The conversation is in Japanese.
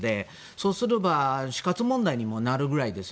そうすれば死活問題になるぐらいです。